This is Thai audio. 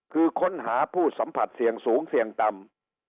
คือค้นหาผู้สัมผัสเสี่ยงสูงเสี่ยงต่ำ